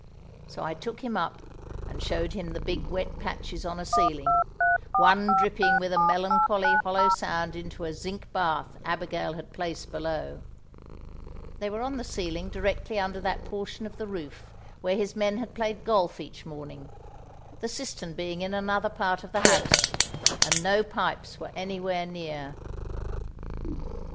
So I took him up and showed him the big wet patches on a ceiling, one dripping with a melancholy hollow sound into a zinc bath Abigail had placed below; they were on the ceiling directly under that portion of the roof where his men had played golf each morning, the cistern being in another part of the house, and no pipes were anywhere near.